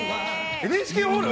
ＮＨＫホール？